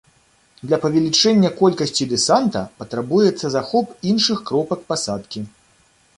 Для павелічэння колькасці дэсанта патрабуецца захоп іншых кропак пасадкі.